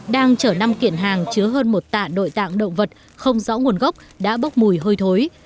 đang chở năm kiện hàng chứa hơn một tạ nội tạng động vật không rõ nguồn gốc đã bốc mùi hôi thối